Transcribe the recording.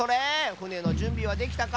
ふねのじゅんびはできたか？